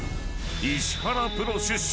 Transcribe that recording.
［石原プロ出身。